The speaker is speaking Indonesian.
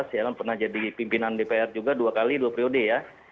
saya kan pernah jadi pimpinan dpr juga dua kali dua periode ya